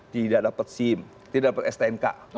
tidak dapat sim tidak dapat stnk